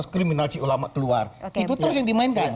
kriminalisasi ulama keluar itu terus yang dimainkan